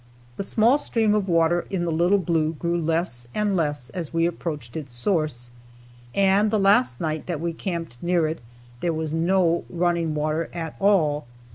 The small stream of water in the Little Blue grew less and less as we approached its source, and the last night that we camped near it, there was no running water at all.